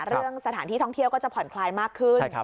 เรื่องสถานที่ท่องเที่ยวก็จะผ่อนคลายมากขึ้น